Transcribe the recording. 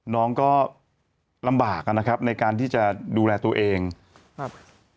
น้องก็ลำบากนะครับในการที่จะดูแลตัวเองครับ